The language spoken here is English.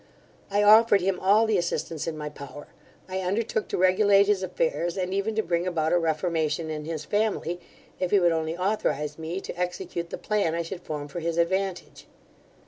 I offered him all the assistance in my power. I undertook to regulate his affairs, and even to bring about a reformation in his family, if he would only authorise me to execute the plan I should form for his advantage.